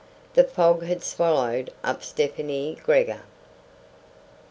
The fog had swallowed up Stefani Gregor.